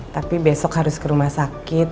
tapi besok harus ke rumah sakit